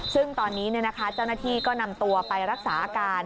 ซึ่งตอนนี้เจ้าหน้าที่ก็นำตัวไปรักษาอาการ